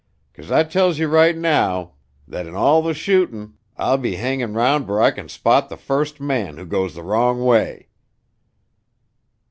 'Cause I tells you right now thet in all the shootin', I'll be hangin' round where I can spot the first man who goes the wrong way.